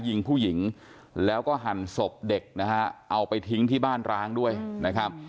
ยิงผู้หญิงแล้วก็หั่นศพเด็กนะฮะเอาไปทิ้งที่บ้านร้างด้วยนะครับ